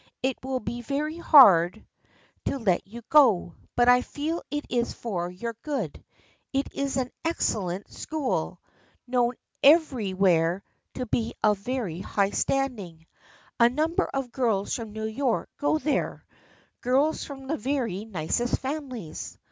It will be very hard to let you go, but I feel it is for your good. It is an excellent school, known every THE FRIENDSHIP OF ANNE 15 where to be of very high standing. A number of girls from New York go there, girls from the very nicest families.